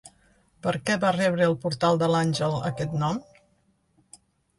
Per què va rebre el Portal de l'Àngel aquest nom?